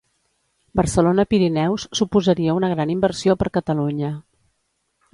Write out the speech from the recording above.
Barcelona-Pirineus suposaria una gran inversió per Catalunya